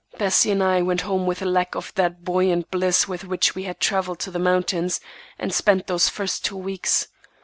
Bessie and I went home with a lack of that buoyant bliss with which we had travelled to the mountains and spent those first two weeks.